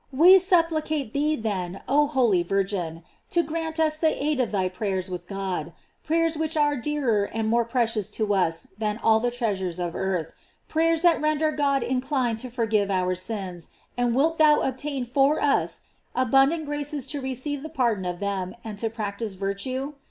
We supplicate thee, then, oh holy Virgin, to grant us the aid of thy prayers with God; pray ers which are dearer and more precious to us than all the treasures of earth; prayers that render God inclined to forgive our sins; and wilt thou obtain for us abundant graces to receive the par don of them and to practise virtue?